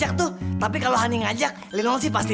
emang lu ga ikut latihan drama buat tensinanti